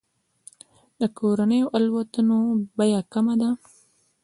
د کورنیو الوتنو بیه کمه ده.